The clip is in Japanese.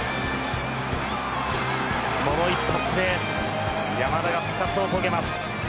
この一発で山田が復活を遂げます。